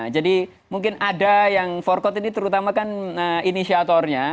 jadi mungkin ada yang forkot ini terutamakan inisiatornya